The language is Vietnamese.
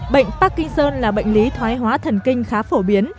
bệnh parkinson là bệnh lý thoái hóa thần kinh khá phổ biến